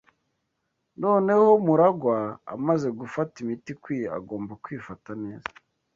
Noneho MuragwA amaze gufata imiti ikwiye, agomba kwifata neza.